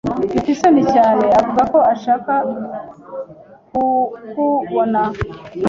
Afite isoni cyane. Avuga ko ashaka kukubona.